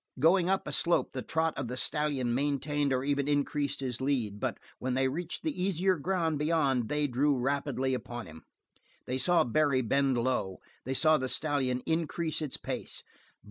Going up a slope the trot of the stallion maintained or even increased his lead, but when they reached the easier ground beyond they drew rapidly upon him. They saw Barry bend low; they saw the stallion increase its pace.